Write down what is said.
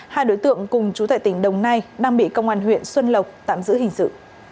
hai đối tượng cùng chú tại tỉnh đồng nai đang bị công an huyện xuân lộc tạm giữ hình sự